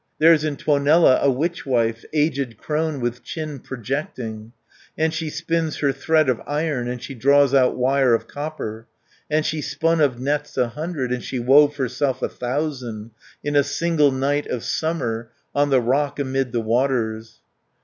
There's in Tuonela a witch wife, Aged crone with chin projecting, And she spins her thread of iron, And she draws out wire of copper. And she spun of nets a hundred, And she wove herself a thousand, 340 In a single night of summer, On the rock amid the waters.